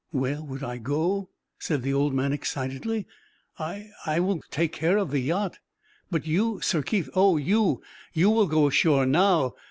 "Where would I go?" said the old man, excitedly. "I I will take care of the yacht. But you, Sir Keith; oh! you you will go ashore now.